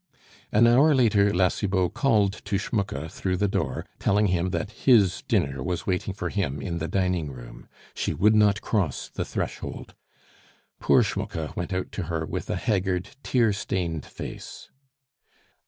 An hour later La Cibot called to Schmucke through the door, telling him that his dinner was waiting for him in the dining room. She would not cross the threshold. Poor Schmucke went out to her with a haggard, tear stained face.